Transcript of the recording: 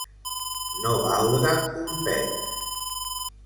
No valdre un pet.